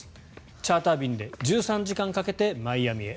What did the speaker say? チャーター便で１３時間かけてマイアミへ。